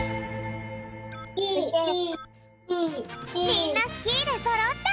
みんなスキーでそろった！